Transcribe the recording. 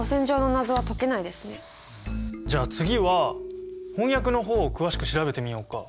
じゃあ次は翻訳の方を詳しく調べてみようか。